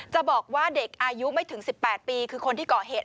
จะบอกว่าเด็กอายุไม่ถึง๑๘ปีคือคนที่ก่อเหตุ